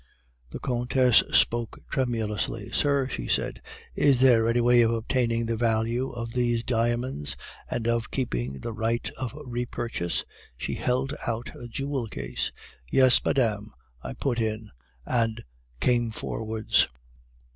"The Countess spoke tremulously. 'Sir,' she said, 'is there any way of obtaining the value of these diamonds, and of keeping the right of repurchase?' She held out a jewel case. "'Yes, madame,' I put in, and came forwards.